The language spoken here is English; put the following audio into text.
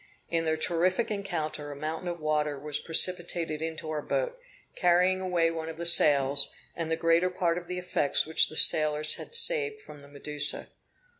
In their terrific encounter a mountain of water was precipitated into our boat, carrying away one of the sails, and the greater part of the effects which the sailors had saved from the Medusa.